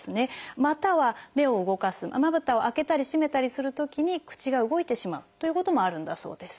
または目を動かすまぶたを開けたり閉めたりするときに口が動いてしまうということもあるんだそうです。